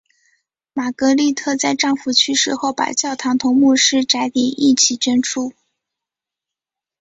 玛格丽特在丈夫去世后把教堂同牧师宅邸一起捐出。